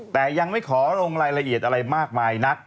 แต่ยังไม่ขอลงรายละเอียดอะไรมากมายนัก